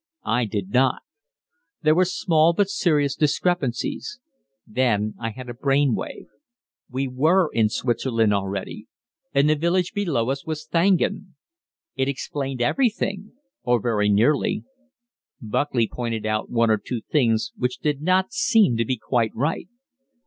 I did not. There were small but serious discrepancies. Then I had a brain wave. We were in Switzerland already, and the village below us was Thaingen. It explained everything or very nearly. Buckley pointed out one or two things which did not seem to be quite right.